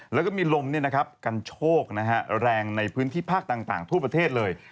แล้วก็มีลมกันโชคแรงในพื้นที่ภาคต่างทั่วประเทศเลย